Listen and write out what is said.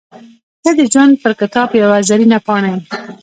• ته د ژوند پر کتاب یوه زرینه پاڼه یې.